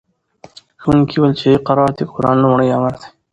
ښوونکي وویل چې اقرأ د قرآن لومړی امر دی.